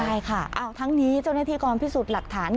ใช่ค่ะอ้าวทั้งนี้เจ้านาฏธิกรพิสูจน์หลักฐาน